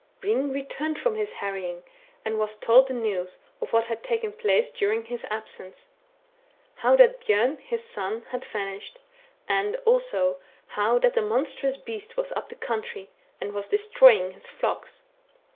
" Hring returned from his harrying, and he was told the news, of what had taken place during his absence ; how that Bjom, his son, had vanished, and also, how that a monstrous beast was up the country, and was destroying his flocks.